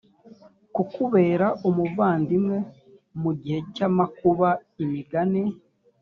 kukubera umuvandimwe mu gihe cy amakuba imigani